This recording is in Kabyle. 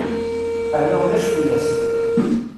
Ala ulac fell-as.